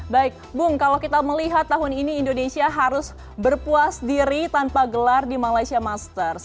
baik bung kalau kita melihat tahun ini indonesia harus berpuas diri tanpa gelar di malaysia masters